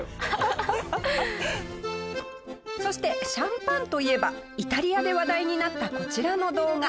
そしてシャンパンといえばイタリアで話題になったこちらの動画。